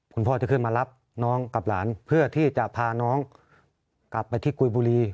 คุณพ่อจะขึ้นมารับน้องกับหลานเพื่อที่จะพาน้องกลับไปที่กุยบุรี